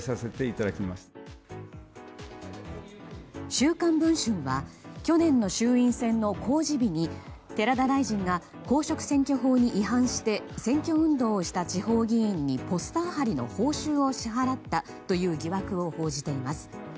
「週刊文春」は去年の衆院選の公示日に寺田大臣が公職選挙法に違反して選挙運動をした地方議員にポスター貼りの報酬を支払ったという疑惑を報じています。